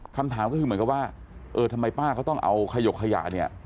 คำถามก็คือเหมือนกับว่าเออทำไมป้าเขาต้องเอาขยกขยะเนี่ย